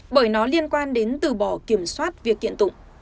bởi nó liên quan đến từ bỏ kiểm soát việc kiện tụng